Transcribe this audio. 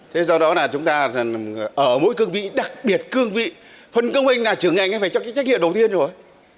thế do đó là chúng ta ở mỗi cương vị đặc biệt cương vị phần công doanh là trưởng ngành phải cho cái trách nhiệm đầu tiên rồi